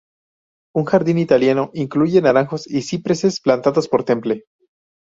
Un jardín italiano incluye naranjos y cipreses plantados por Temple.